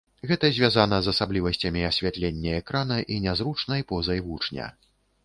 Гэта звязана з асаблівасцямі асвятлення экрана і нязручнай позай вучня.